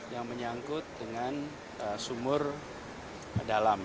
yang menyangkut dengan sumur dalam